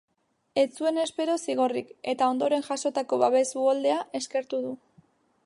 Ez zuen espero zigorrik, eta ondoren jasotako babes uholdea eskertu du.